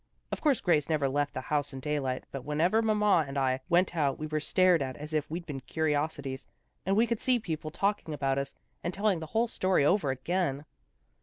Of course Grace never left the house in daylight, but whenever mamma and I went out we were stared at as if we'd been curiosities, and we could see people talk ing about us, and telling the whole story over again.